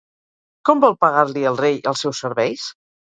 Com vol pagar-li el rei els seus serveis?